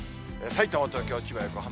さいたま、東京、千葉、横浜。